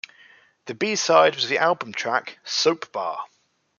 The B-side was the album track, "Soapbar".